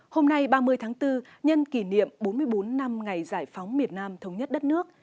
hôm nay ba mươi tháng bốn nhân kỷ niệm bốn mươi bốn năm ngày giải phóng miền nam thống nhất đất nước